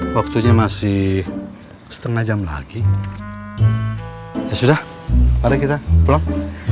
waktu nya masih setengah jam lagi sudah mari kita pulang